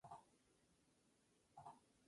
Sin embargo, debe matar a Ando por órdenes de Knox.